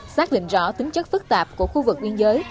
xác định rõ tính chất phức tạp của khu vực biên giới